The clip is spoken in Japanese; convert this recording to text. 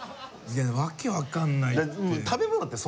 いや訳分からないって。